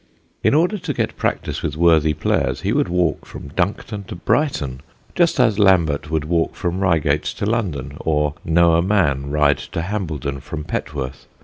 In order to get practice with worthy players he would walk from Duncton to Brighton, just as Lambert would walk from Reigate to London, or Noah Mann ride to Hambledon from Petworth.